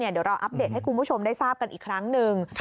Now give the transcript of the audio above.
เดี๋ยวเราอัปเดตให้คุณผู้ชมได้ทราบกันอีกครั้งหนึ่ง